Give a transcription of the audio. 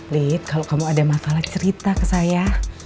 lit kalau kamu ada masalah cerita ke saya